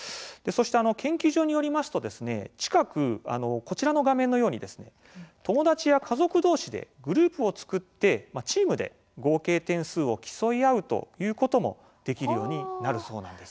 研究所によりますと、近くこちらの画面のように友達や家族どうしでグループを作ってチームで合計点数を競い合うということもできるようになるそうなんです。